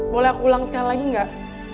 boleh aku ulang sekali lagi nggak